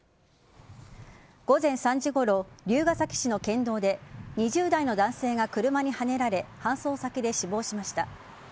午前３時ごろ、龍ケ崎市の県道で２０代の男性が車にはねられ搬送先で死亡しました。